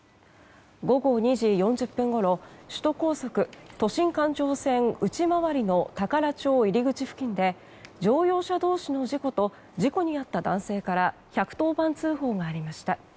午後２時４０分ごろ首都高速都心環状線内回りの宝町入り口付近で乗用車同士の事故と事故に遭った男性から１１０番通報がありました。